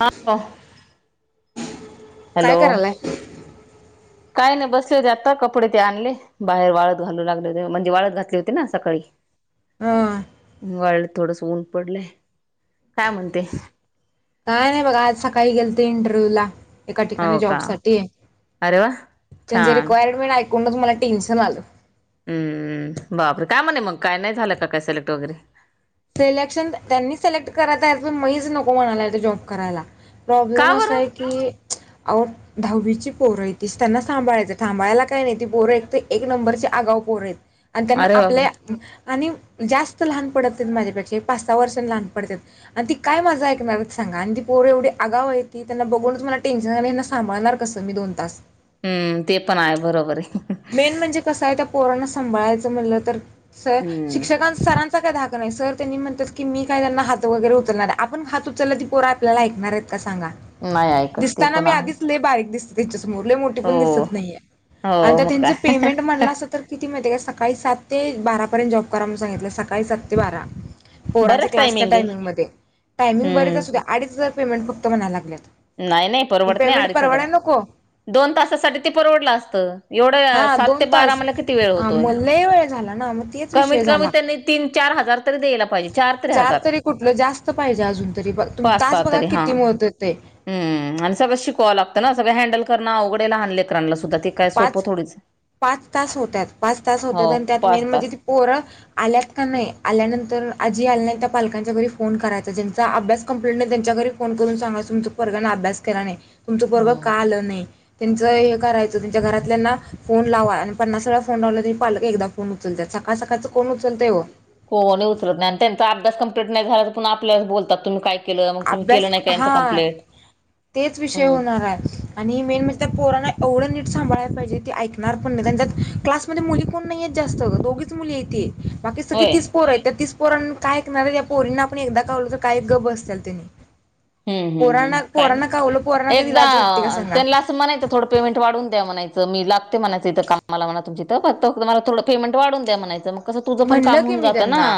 हा ह [unintelligible] काय करायलाय? काही नाही बसले होते आता. कपडे ते आणले. बाहेर वाळत घालू लागले होते, म्हणजे वाळत घातले होते ना सकाळी. ह. वाळे थोडस ऊन पडलंय. काय म्हणते? काय नाही बघा. आज सकाळी गेलते इंटरव्ह्यू ला. एका ठिकाणी हो का जॉबसाठी. अरे वा त्यांची छान रिक्वायरमेंट ऐकूनच मला टेन्शन आलं. हम्म बापरे काय म्हणे मग? काय नाही झालं का काय सिलेक्ट वगैरे? सिलेक्शन त्यांनी सिलेक्ट करायत आजून मीच नको म्हणालाय तो जॉब करायला. प्रॉब्लेम का बरं असाय की, आवो दहावीची पोरंत ती. त्यांना सांभाळायच. सांभाळायला काय नाही. ती पोरं एकत एक नंबरची आगावू पोरंत. आणि त्यांना अरे बापरे आपल्या आणि जास्त लहान पडत नाहीत माझ्यापेक्षा. एक पाच सहा वर्षांन लहान पडत्यात. आणि ती काय माझ ऐकणारेत सांगा. आणि ती पोर एवढी आगावयती. त्यांना बघूनच मला टेन्शन आलंय ह्यांना सांभाळणार कस? तुम्ही दोन तास. हम्म ते पण आहे. बरोबरे. मेन म्हणजे कसं आहे. त्या पोराना सांभाळायचं म्हणलं तर सर हम्म शिक्षकांचा सरांचा काय धाक नाही. सर त्यांनी म्हणतात की मी काय त्यांना हात वगैरे उचलणारे. आपण हात उचलला ती पोरा आपल्याला ऐकणारेत का सांगा? नाही ऐकत ते दिसताना पण मी आहे आधीच लई बारीक दिसते तिच्यासमोर. लई मोठी हो पण दिसत नाहीये. आणि हो ते मग त्यांचं काय पेमेंट म्हणलासा तर किती माहते का? सकाळी सात ते बारापर्यंत जॉब करा म्हणून सांगितलंय. सकाळी सात ते बारा. पोरांच बरंच क्लास च्या टायमिंग आहे टायमिंगमध्ये. टायमिंग बरेच असू हम्म द्या, अडीच हजार पेमेंट फक्त म्हणा लागल्यात. नाही नाही परवडत नाही पेमेंट अडीच हजार. परवडाय नको दोन तासासाठी ते परवडलं असतं. हा एवढं सात ते दोन बारा तास मला किती वेळ होतोय मग लई वेळ झाला ना, मग तेच कमीत विषय कमी झाला. त्यांनी तीन चार हजार तरी द्यायला पाहिजे चार हजार तरी कुठलं जास्त पाहिजे अजून तरीपण तुम्ही पाच सहा तास बघा तरी हा किती मो ते. हम्म, आणि सगळंच शिकवावं लागतं ना सगळं हँडल करण अवघड आहे लहान ले पाच, पाच तास होत्यात पाच तास हो होत्यात आणि त्यात पाच मेन म्हणजे तास ती पोरं आल्यात का नाही? आल्यानंतर आज जी आली नाहीत त्या पालकांच्या घरी फोन करायचा. ज्यांचा अभ्यास कम्प्लीट नाही त्यांच्या घरी फोन करून सांगायचं, तुमच्या पोरग्यान अभ्यास केला नाही. तुमच पोरगं हम्म का आल नाही? त्यांच करायच त्यांच्या घरातल्याना फोन लावा आणि पन्नास वेळा फोन लावला तरी पालक एकदा फोन उचलतात सकाळ सकाळच कोण उचलतंय ओ? कोणी उचलत नाही आणि त्यांचा अभ्यास कम्प्लीट नाही झाला तर पुन्हा आपल्यालाच बोलतात तुम्ही काय केलं मग तुम्ही अभ्यास केलं नाही का यांचं हां, कंप्लीट तेच विषय हम्म होणार आहे. आणि मेन म्हणजे त्या पोराना एवढं नीट सांभाळायला पाहिजे ती ऐकणार पण नाहीत आणि त्यात क्लास म्हणजे मुली पण नाही जास्त. दोघीच मुली हाईती. बाकी सगळी होय तीस पोर आहेत. त्या तीस पोरांना काय ऐकणार? त्या पोरींना आपण एकदा कावलो तर काय गब बसत्याल. ते. हम्म, हम्म, हम्म, काय? पोरांना कधी एकदा लाज वाटते का सांगा त्यांनला असं म्हणायंच थोंड पेमेंट वाढवून द्या म्हणायंच. मी लागते म्हणायच इथं कामाला म्हणा तुमच्या इथ फक्त मला थोडं पेमेंट वाढवून द्या म्हणायचं, मग कसं तुझं पण म्हणलं काम की होऊन मी जातं ना. त्यांना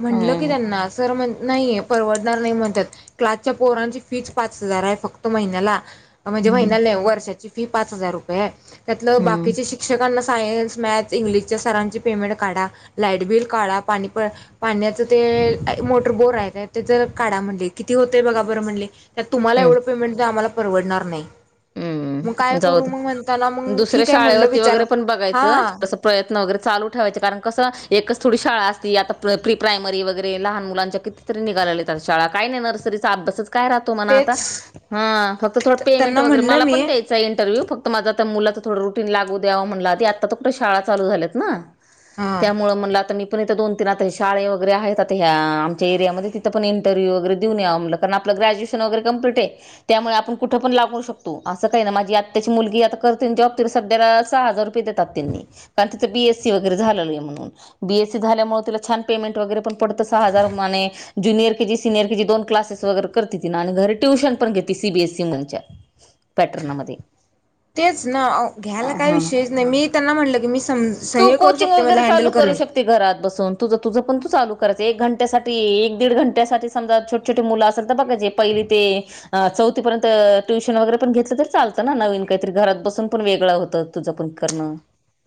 म्हणलं की त्यांना सर म्हण नाही परवडणार नाही म्हणतात. क्लासच्या पोरांची फीच पाच हजार आहे फक्त महिन्याला. म्हणजे हम्म महिन्याला नाही ओ वर्षाची फी पाच हजार रुपये त्यातलं हम्म बाकीचे शिक शिक्षकांना सायन्स, मॅथ्स, इंग्लिशच्या सरांची पेमेंट काढा, लाईट बिल काढा, पाणी पाण्याचं ते मोटर बोर आहे त्याच काढा म्हणले, किती होतय बघा बरं म्हणले? त्यात तुम्हाला हम्म एवढं पेमेंट दया, आम्हाला परवडणार नाही. मग हम्म काय जाऊ करू दे मग म्हणताना मग दुसऱ्या ठीक आहे म्हणलं शाळेवरती विचार वगैरे पण बघायचं हा. थोडस प्रयत्न वगैरे चालू ठेवायचे कारण कसं एकच थोडी शाळा असती? आता प्र प्री प्रायमरी वगैरे लहान मुलांच्या कि ती तरी निघालागलेत आता शाळा. काय नाही, नर्सरीचा अभ्यासच काय राह तो म्हणा आता, तेच हां फक्त थोड पेमेंट त्यांना वैगेरे म्हणलं मला मी पण द द्यायचा आहे इंटरव्ह्यू फक्त माझ आता मुलाचं थोडं रुटीन लागू द्यावा म्हटल आधी आता तर कुठे शाळा चालू झाल्यात ना. हा त्यामुळं म्हणलं आता मी पण इथ दोन तीन आता शाळे वगैरे आहेत आता ह्या आमच्या एरियामध्ये तिंथ पण इंटरव्ह्यू वगैरे देऊन यावं म्हटलं. कारण आपलं ग्रॅज्युएशन वगैरे कंप्लीट आहे. त्यामुळे आपण कुठ पण लागू शकतो. असं काही ना माझी आत्याची मुलगी आता करते जॉब तरी सध्याला सहा हजार रुपये देतात त्यांनी. कारण तिच बी, ए, सी, वगैरे झालेलं म्हणून बी, ए, सी झाल्यामुळे ति छान पेमेंट वैगेरे पण पडतो सहा हजार म्हणे ज्यूनियर केजी, सीनियर केजी, दोन क्लासेस वगैरे करती तिंन आणि घरी ट्युशन पण घेते सीबीएसई मणच्या. तरणमध्ये [unintelligible] तेच ना, घ्यायला काय विषयच नाही मी त्यांना म्हटलं की मी तू साह्य हे करू कोचिंग शकते वगैरे मला हँडल चालू करू करेन. शकते घरात बसून तुझ- तुझ पण तू चालू करायच एक घंट्यासाठी एक दीड घंट्या साठी समजा छोटे. छोटे मुलं असेल तर बघा जे ते पहिली ते चौथीपर्यंत ट्युशन श् वगैरे पण घेतलं तररी चालतं ना नवीन काहीतरी घरात बसून पण वगळं होतं तुझं पण करण.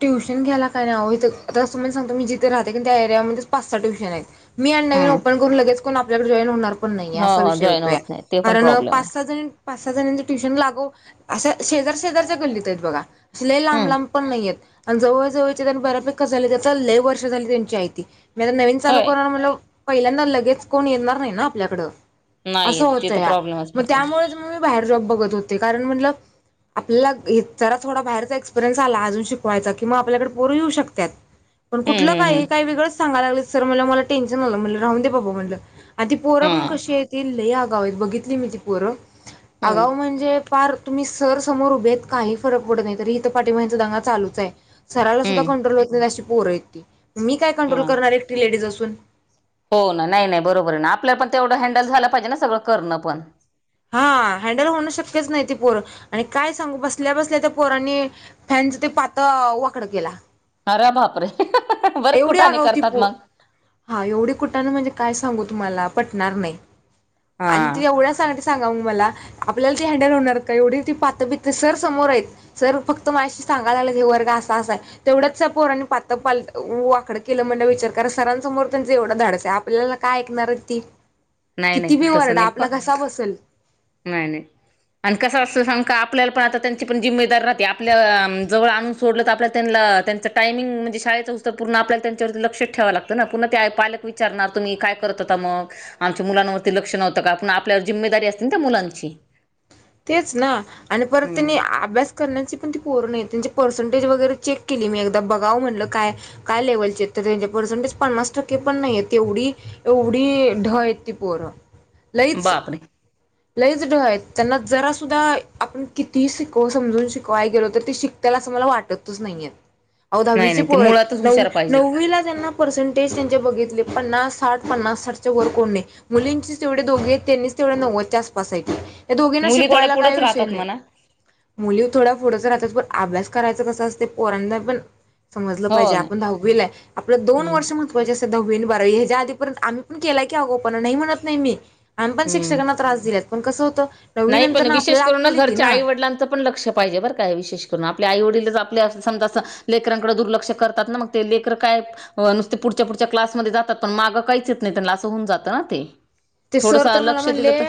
ट्यूशन घ्याला काय नाही इथं आता असं म सांगतो मी जिथे राहते की त्या एरियामध्येच पाच सहा ट्यूशन आहेत. मी आणि नवीन हम्म. ओपन करून लगेच कोण आपल्याकडे जॉईन होणार. पण नाही हो असा हो विषय जॉईन होतो. होत नाही ते पण कारण प्रॉब्लेम आहे. पाच सहा जनी पाच सहा जणांच ट्युशन लागून असं शेजार शेजारच्या गल्लीत आहेत बघा अस लई लांब हम्म. लांब पण नाही येत. आणि जवळ जवळच्या बऱ्यापेका झाले ते चालले. वर्ष झाली त्यांची आयती. मी आता नवीन चालू होय करणार म्हटल्यावर पहिल्यांदा लगेच कोण येणार नाही ना आपल्याकड. अस नाही ते होत तर या. प्रॉब्लेमच मग पडतो त्यामुळेच मग मी बाहेर जॉब बघत होते. कारण म्हणल आपल्याला जरा थोडा बाहेरचा एक्सपिरियन्स आला अजून शिक वायचा कि आपल्याकडे पोर येऊ शकतात. पण कुठल हम्म काय हम्म हे काय वेगळच सांगा लागले सर म्हटल मला टेन्शन आल. राहून दे बाबा म्हटल ते पोर हम्म पण हा. कशी ये लयी आगावु. बघितली मी ती पोर. हम्म. आगावु म्हणजे फार तुम्ही सर समोर उभेे आहेत काही फरक पडत नाही‌. तरी इथ पाठीमागे यांचा दंगा चालुच आहे. सराला सुद्धा हम्म कंट्रोल होत नाही अशी पोर आहेत ती. मी काय ह कंट्रोल करणार एकटी लेडीज असून. हो ना नाही नाही बरोबर आहे ना. आपल्याला पण तेवढ हँडल झाल पाहिजे ना सगळ करण पण. हा हँडल होण शक्यच नाही ते पोर. आणि काय सांगू बसल्या बसल्या त्या पोरांनी फॅनच ते पात वाकड केला. आरे बाप रे. बरेच एवढी कुटाणे आगाव ती करतात पोर मग. हा एवढी कुटाने म्हणजे काय सांगू तुम्हाला पटणार नाही. हा आणि ते एवढ्या सांग सांगा मग मला, आपल्याला ती हँडल होणार का. एवढी ती पात पित सर समोर आहेत. सर फक्त माझ्याशी सांगाला लागल हे वर्ग असा असा आहे. तेवढ्यात पोरांनी पात पाल वाकड केल. म्हणल विचार करा सरांसमोर त्यांच एवढ धाडस आहे. आपल्याला काय ऐकणार आहे ती. नाही नाही किती भी तसं वरडा नाही प आपला घसा बसेल. नाही नाही आणि कस असत सांगु का आपल्याला पण आता त्यांची पण जिम्मेदार राहती. आपल्या जवळ आणून सोडल तर आपल्या त्यांला टामिंग म्हणजे शाळेच उत पूर्ण आपल्याला त्यांच्यावर लक्ष ठेवं लागत ना. पून्हा पालक विचारणार तुम्ही काय करत होता मग. आमच्या मुलांवरती लक्ष नव्हत का. पुन्हा आपल्यावर जिम्मेदारी असते ना त्या मुलांची. तेच ना आणि परत त्यांनी हम्म अभ्यास करण्याची पण ती पोर नाही. त्यांची पर्सेंटेज वगैरे चेक केली मी एकदा बघाव म्हणल काय काय लेव्हलचे आहेत तर त्यांचे पर्सेंटेज पन्नास टक्के पण नाहीयत. तेवढी एवढी ढ आहेत ती पोर. बाप रे लयीच ढ आहेत. त्यांना जरा सुद्धा आपण किती शिकवुन समजून शिकवाय गेलो तर ते शिक त्याला अस मला वाटतच नाहीयत. अ नाही दहावीचे नाही ते पोर आहेत मुळातच नव हुशार पाहिजे नववीला ज्यांना पर्सेंटेज त्यांचे बघितले पन्नास साठ, पन्नास साठच्या वर कोण नाही. मुलींचे तेवढे दोघे आहे त्यांनीच तेवढ्या नव्वदच्या आस पास आहेत. या दोघींना मुली थोड्या शिकवायला काही पुढंच विषय राहतात नाही. म्हणा मुली थोड्या पुढच राहतात पण अभ्यास करायच कस असते पोरांना पण समजल हो पाहिजे ना आपण दहावीला आहे. आपल्या दोन हम्म वर्ष महत्व दहावी आणि बारावी याच्या आधीपर्यंत आम्ही पण केला की अगाऊपना. नाही म्हणत नाही. आम्ही पण हम्म शिक्षकाना पण कस होत नाही पण विशेष करून ना घरच्या आईवडीलांच पण लक्ष पाहिजे बर काय आहे विशेष करून. आपल्या आई वडीलच आपल्या अस समजा अस लेकरांकडें दुर्लक्ष करतात ना मग ते. लेकर काय नुसते पुढच्या पुढच्या क्लासमध्ये जातात. पण माग काहीच नाही त्यांना अस होऊन जात ना ते. ते सर थोडंसं तर मला लक्ष दिलं म्हणले तर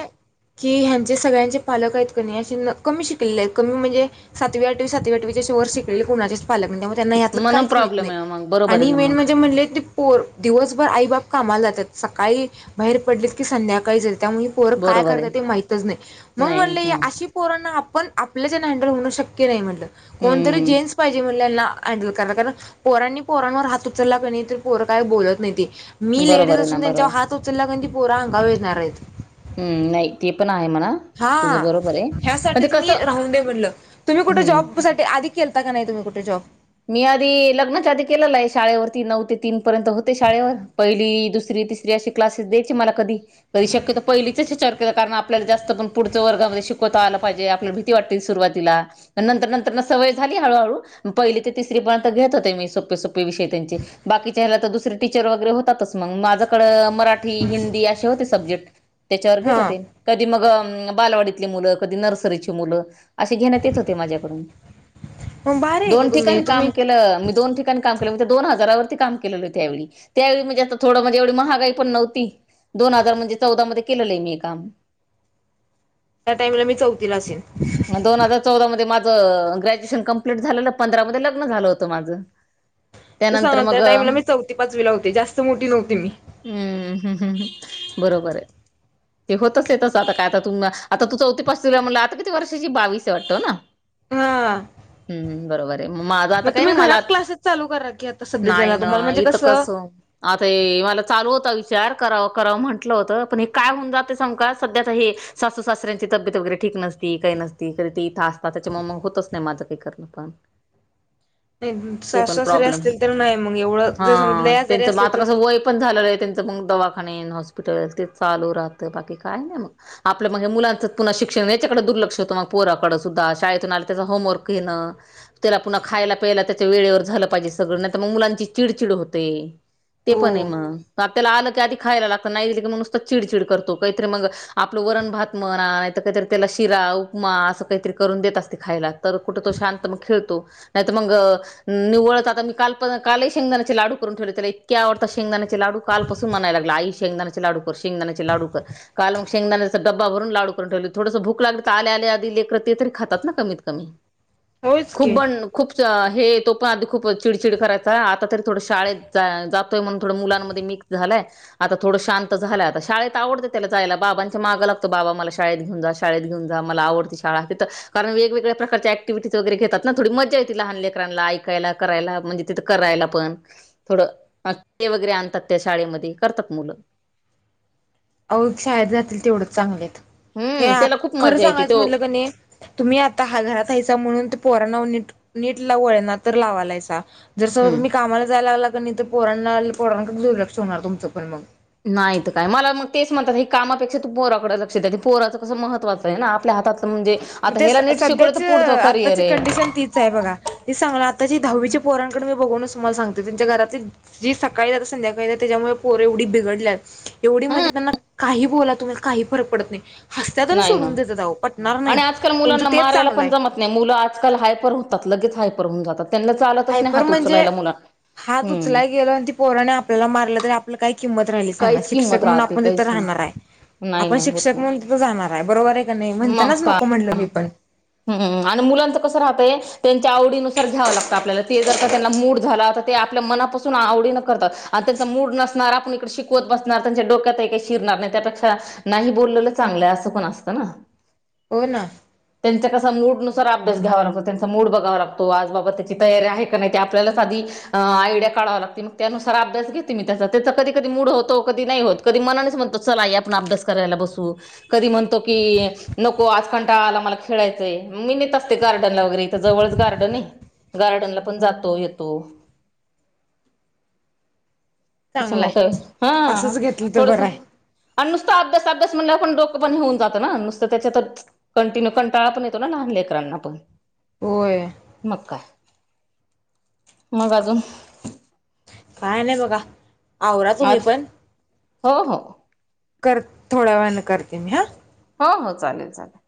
की ह्यांचे सगळ्यांचे पालक आहेत की नाही अस कमी शिकिले आहेत. कमी म्हणजे सातवी आठवी, सातवी आठवीच्या अशे वर शिकलेले कुणाचेच त्यांना यात म्हणून काहीच माहत प्रॉब्लेम नाही. आहे मग बरोबर आहे आणि ना मेन मग म्हणजे म्हणले ते पोर दिवसभर आई बाप कामाला जातात. सकाळी बाहेर पडलेत की संध्याकाळी येतात. त्यामुळे पोरं काय बरोबर करतात आहे ते माहितच नाही मग नाही म्हणले हं. अशी पोरांना आपण आपल्या जने हँडल होण शक्य नाही म्हटलं कोणतरी हम्म जेंट्स पाहिजे मुलांना हँडल करनं कारण पोरांनी पोरांवर हात उचलला क नाही तर पोर काय बोलत नाही ते. मी लेडीज बरोबर आहे ना असून बरोबर त्यांच्या आहे. हात उचलला क ती पोरा अंगावर येणार आहेत. हम्म नाही ते पण आहे म्हणा. हा तुझं बरोबर आहे पण ते ह्यासाठीच मी कसं राहून दे म्हणलं तुम्ही कुठे हम्म जॉब साठी ते आधी केलता का नाही तुम्ही कुठे जॉब? मी आधी लग्नाच्या आधी केलेलं आहे शाळेवरती नऊ ते तीन पर्यंत होते शाळेवर पहिली, दुसरी, तिसरी अशी क्लासेस द्यायचे मला कधी? कधी शक्यतो पहिलीच चर्क कारण आपल्याला जास्त पण पुढच्या वर्गामध्ये शिकवता आलं पाहिजे आपल्या भि ती वाटतेसुरुवातीला नंतर-नंतर ना सवय झाली हळूहळू पहिली ते तिसरीपर्यंत घेत होते मी सोपे सोपे विषयी त्यांचे. बाकीच्या ह्याला तर दुसरं टीचर वगैरे होतातच मंग माझ्याकडं मराठी, हिंदी असे होते सब्जेक्ट. त्याच्यावर घेत हा होते. कधी मग बालवाडीतले मुलं कधी नर्सरीची मुलं असे घेण्यात येत होते माझ्याकडून. मग भारी आहे की दोन तुम्ही ठिकाणी काम तुम्ही केलं मी दोन ठी कन काम केलं होतं दोन हजारावरती काम केलेलं त्यावेळी त्यावेळी म्हणजे आता थोडं म्हजे एवढी महागई पण नव्हती. दोन हजार म्हणजे चौदा मध्ये केलेलं हे मी काम. त्या टाइमला मी चौथीला असेन. म दोन हजार चौदा मध्ये माझं ग्रॅज्युएशन कंप्लीट झालेलं पंधरामध्ये लग्न झालं होतं माझं. ते त्यानंतर सांगाल त्या मग टाइमला मी चौथी पाचवीला होते जास्त मोठी नव्हती मी. हम्म हम्म हम्म बरोबर आहे. ते होतच येतच आता काय आता तु म आता तू चौथी पाचवीला आहे म्हटलं आता ती वर्षाची बावीस आहे वाटतो ना हा हम्म हम्म बरोबर. ते म माझं मग आता काही तुम्ही नाही मला घरात क्लासेस चालू करा की आता सध्याच्याला नाही ना तुम्हाला म्हणजे इथं कसं आता हे मला चालू होता विचार कराव करावं म्हटलं होतं पण हे काय होऊन जाते समका सध्या तर हे सासू सासऱ्यांची तब्येत वगैेरे ठीक नस ती काही नसती कधी ते इथं असतात त्याच्यामुळं म होतच नाही माझं काही करणं पण. नाही ते सासू पण सासरे प्रॉब्लेम असतील तर नाही मग एवढं हा जर समज लय आजारी त्यांच म असले आता तर कसं वय पण झालेलं आहे त्यांचं मग दवाखानेन हॉस्पिटल ते चालू राहतं बाकी काय नाही मग. आपल्या मग हे मुलांचं पुन्हा शिक्षण आहे त्याच्याकडे दुर्लक्ष होतं मग पोराकडे सुद्धा शाळेतून आलेल्या त्याजा होमवर्क घेणं त्याला पुन्हा खायला प्यायला त्याच्या वेळेवर झालं पाहिजे सगळं नाहीतर मग मुलांची चिडचिड होते. ते हो पण आहे म कापल्याला आलं की आधी खायला लागतं नाही दिली की मंग नुसतं चिडचिड करतो काहीतरी मंग आपलं वरण भात म्हणा नाही तर काहीतर त्याला शिरा, उपमा असं काहीतरी करून देत असते खायला तर कुठं तो शांत मंग खेळतो. नाही तर मंग निवळत आता मी कल पण कालही शेंगदाण्याचे लाडू करून ठेवले त्याला इतके आवडतात शेंगदाण्याचे लाडू. कालपसून म्हणाय लागला आई शेंगदाण्याचे लाडू कर शेंगदाण्याचे लाडू कर. काल मंग शेंगदाण्याचा डब्बा भरून लाडू करून ठेवले. थोडस भूक लागलं तर आल्या आल्या आधी लेकरं ते तरी खातात ना कमीत कमी होयच खूप की बण खूपच हे तो पण आधी खूप चिडचिड करायचा आता तरी थोडं शाळेत जा जातोय म्हणून थोडं मुलांमध्ये मी झालंय आता थोडं शांत झालंय आता शाळेत आवडते त्याला जायला बाबांच्या मागं लागतो बाबा मला शाळेत घेऊन जा शाळेत घेऊन जा मला आवडती शाळा तिथं कारण वेगवेगळ्या प्रकारच्या ऍक्टिव्हिटीच वगैरे घेतात ना थोडी मजा येते लहान लेकरांना ऐकायला करायला म्हणजे तिथं करायला पण थोडं ते वगैरे आणतात त्या शाळेमध्ये करतात मुलं. आओ शाळेत जातील तेवढंच चांगलेत, हे हम्म त्याला खूप खरं मजा येते सांगायचं तो म्हटलं कनी तुम्ही आता हा घरात हायसा म्हणून, ते पोरांना व नीट नीट ला वळण तर लावालायसा. जर समज हम्म तुम्ही कामाला जायला लागला कनी, तर पोरांना पोरांकड दुर्लक्ष होणार तुमचं पण मग. नाही त काय? मला मग तेच म्हणतात हे, कामापेक्षा तू पोराकडे लक्ष दे आणि पोराचं कस महत्त्वाचं हाय ना आपल्या हातातल म्हणजे म आता तेच ह्याला नीट शिकवलं सध्याच तर पुढचं करिअर आत्ताची आहे कंडिशन तीच हाय बघा. तेचं सांगणार आताची दहावीच्या पोरांकडे मी बघूनच तुम्हाला सांगते, त्यांच्या घरातील जी सकाळी जात्यात, संध्याकाळीे येत्यात त्याच्यामुळे पोर एवढी बिघडल्यात एवढी म्हणजे हम्म त्यांना काही बोला तुम्ही, काही फरक पडत नाही. हसत्यात आनी सोडून देत्यात आओ, पटणार नाही. खर तुमचं मुलांना तेच मारायला चांगलं पण आहे जमत नाही. मुलं आजकाल हायपर होतात, लगेच हायपर होऊन जातात. त्यांना चालतच नाही हायपर हात म्हणजे उचलायला मुला हुं. पोरानी आपल्याला मारलं तर, आपलं काय किंमत राहिली सांगा. काहीच शिक्षक किंमत म्हणुन राहते आपण तिथं काहीच नाही राहणार हाय. नाही आपण नाही होत शिक्षक नाही म्हनुन तीथ जाणार हाय, बरोबर हाय का नाही? म्हणतानाच नको म्हणलं मी पण. हू हू आणि मुलांचं कसं राहतंय तेंच्या आवडीनुसार घ्यावं लागतं आपल्याला. ते जर का त्यांना मूड झाला तर, ते आपलं मनापासून आवडीनं करतात आणि त्यांचा मूड नसणारा आपण इकडे शिक वत बसणार, त्यांच्या डोक्यातही काही शिरणार नाही. त्यापेक्षा नाही बोललेलं चांगलं, आस पण असतं ना. हो ना? त्यांचा कसा मूडनुसार अभ्यास घ्यावा लागतो. त्यांचा मूड बघावा लागतो, आज बाबा त्याची तयारी आहे काय नाही ते आपल्यालाच आधी आयडिया काढावा लागती, मग त्यानुसार अभ्यास घेते मी त्याचा, त्याचा कधी कधी मूड होत तो कधी नाही होत. कधी मनानेच म्हणतो चल आई आपण अभ्यास करायला बसू. कधी म्हणतो की नको आज कंटाळा आला मला खेळायचंय, मी नेत असते गार्डनला वगैरे इथ जवळच गार्डन आहे. गार्डनला पण जातो, येतो. तस चांगलाय मोठं हा असंच घेतलं तर बरं थोडस. आहे आणि नुसत अभ्यास अभ्यास म्हणल्यावर पण डोक बंद होऊन जात ना, नुसतं त्याच्यातच कंटिन्यू कंटाळा पण येतो ना, लहान लेकरांना होय. मग काय? मग अजून? काय नाही बघा. आवरा तुम्ही आज पण. हो हो कर थोड्या वेळानं करते मी हा. हो हो. चालेल, चालेल.